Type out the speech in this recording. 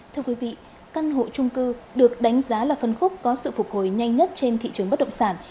thưa quý vị căn hộ trung cư được đánh giá là phân khúc có sự phục hồi nhanh nhất trên thị trường bất động sản